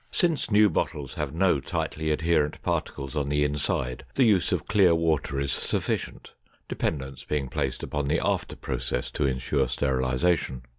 Since new bottles have no tightly adherent particles on the inside, the use of clear water is sufficient, dependence being placed upon the after process to insure sterilization.